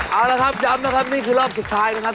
เอาละครับย้ำนะครับนี่คือรอบสุดท้ายนะครับ